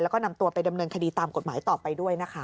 แล้วก็นำตัวไปดำเนินคดีตามกฎหมายต่อไปด้วยนะคะ